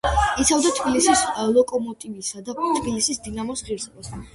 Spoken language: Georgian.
იცავდა თბილისის „ლოკომოტივისა“ და თბილისის „დინამოს“ ღირსებას.